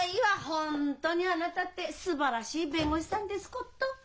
本当にあなたってすばらしい弁護士さんですこと！